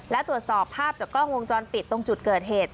และตรวจสอบภาพจากกล้องวงจรปิดตรงจุดเกิดเหตุ